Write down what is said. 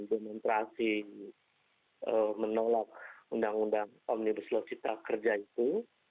demonstrasi menolak undang undang omnibuslo cipta kerja itu